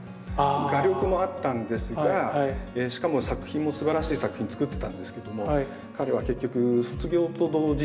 画力もあったんですがしかも作品もすばらしい作品作ってたんですけども彼は結局卒業と同時にですね